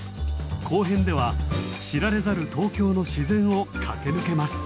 後編では知られざる東京の自然を駆け抜けます。